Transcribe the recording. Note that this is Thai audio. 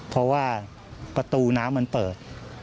เพราะว่าประตูน้ำมันเปิด